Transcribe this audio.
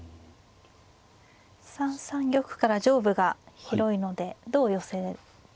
３三玉から上部が広いのでどう寄せていくかですね。